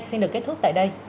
xin được kết thúc tại đây